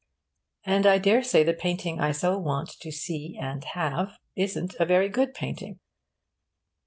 And I daresay the painting I so want to see and have isn't a very good painting.